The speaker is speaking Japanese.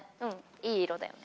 いい色だよね。